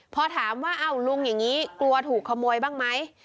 พอถามว่าอ้าวลุงอย่างนี้กลัวถูกขโมยบ้างไหม